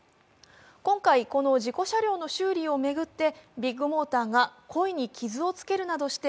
今回、この事故車両の修理に当たってビッグモーターが故意に傷をつけるなどして